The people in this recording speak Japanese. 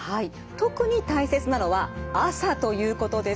特に大切なのは朝ということです。